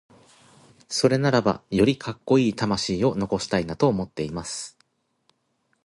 それならばよりカッコイイ魂を残したいなと思っています。